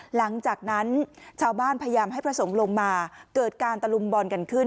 หลังจากนั้นชาวบ้านพยายามให้พระสงฆ์ลงมาเกิดการตะลุมบอลกันขึ้น